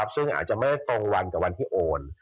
ซึ่งอาจจะไม่ตรงวันกับวันที่โอน